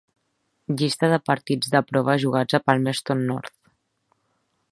Llista de partits de prova jugats a Palmerston North.